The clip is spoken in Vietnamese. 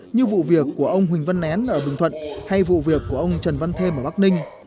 như vụ việc của ông huỳnh văn nén ở bình thuận hay vụ việc của ông trần văn thêm ở bắc ninh